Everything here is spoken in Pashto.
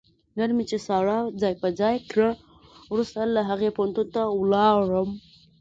نن مې چې ساره ځای په ځای کړه، ورسته له هغې پوهنتون ته ولاړم.